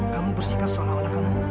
kamu bersikap seolah olah kamu